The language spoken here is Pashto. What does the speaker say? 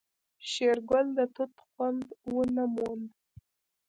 شېرګل د توت خوند ونه موند.